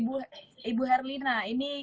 baik ibu herlina ini